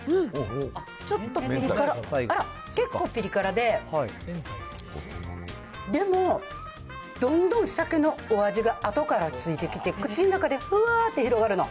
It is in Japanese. ちょっとピリ辛、あら、結構ピリ辛で、でもどんどん鮭のお味が後からついてきて、口の中で、ふわーって広がるの。